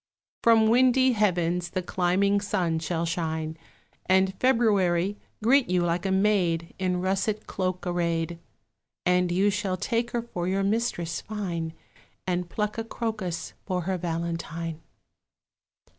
From windy heavens the climbing sun shall shine, And February greet you like a maid In russet cloak array'd; And you shall take her for your mistress fine, And pluck a crocus for her valentine.